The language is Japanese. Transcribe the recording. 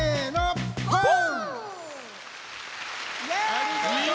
ありがとう！